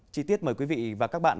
chí tiết mời quý vị và các bạn